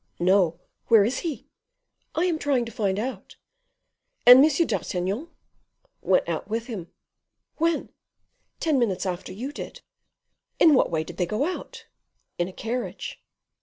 "No; where is he?" "I am trying to find out." "And M. d'Artagnan?" "Went out with him." "When?" "Ten minutes after you did." "In what way did they go out?" "In a carriage."